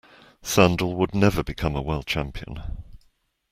Sandel would never become a world champion.